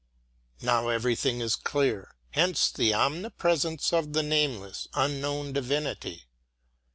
Now everything is clear! Hence the omnipresence of the nameless, unknown divinity.